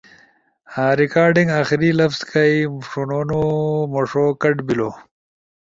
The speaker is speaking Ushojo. ریکارڈنگ آخری لفظ کئی ݜونونو مݜو کٹ بیلو